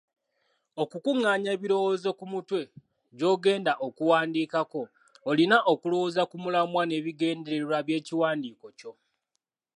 Okukuŋŋaanya ebirowoozo ku mutwe gy’ogenda okuwandiikako, olina okulowooza ku mulamwa n’ebigendererwa by’ekiwandiiko kyo.